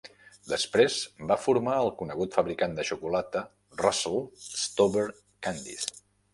Després va formar el conegut fabricant de xocolata Russell Stover Candies.